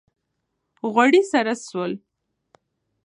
غوړي سره سول